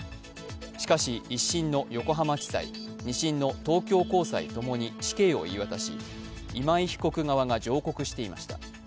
しかし、１審の横浜地裁、２審の東京高裁共に死刑を言い渡し、今井被告側が上告していました。